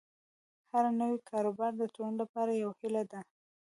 هر نوی کاروبار د ټولنې لپاره یوه هیله ده.